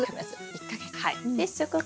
１か月か。